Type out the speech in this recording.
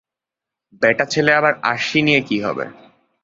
বেটা ছেলে আবার আরশি নিয়ে কি হবে?